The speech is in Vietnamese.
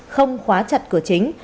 không khóa chặt cửa chính